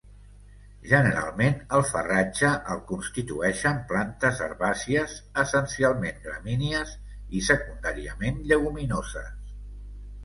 Generalment el farratge el constitueixen plantes herbàcies, essencialment gramínies i secundàriament lleguminoses.